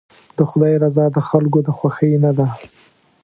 د خدای رضا د خلکو د خوښۍ نه ده.